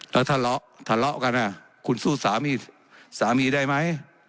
แล้วทะเลาะทะเลาะกันอ่ะคุณสู้สามีสามีได้ไหม